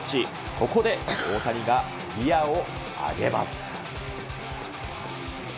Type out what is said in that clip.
ここで大谷がギアを上げます。